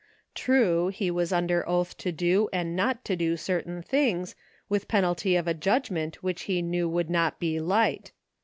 True, he was under oath to do and not to do certain things, with penalty of a judgment which he knew would not be light.